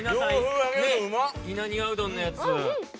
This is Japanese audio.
稲庭うどんのやつ。